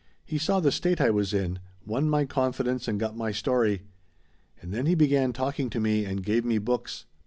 He saw the state I was in, won my confidence and got my story. And then he began talking to me and gave me books.